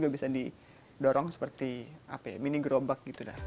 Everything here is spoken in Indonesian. bisa didorong seperti mini gerobak gitu